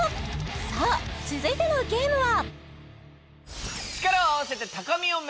さあ続いてのゲームは？